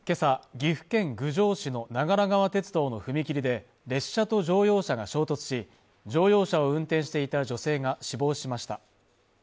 岐阜県郡上市の長良川鉄道の踏切で列車と乗用車が衝突し乗用車を運転していた女性が死亡しました